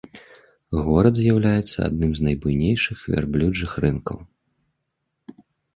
Горад з'яўляецца адным з найбуйнейшых вярблюджых рынкаў.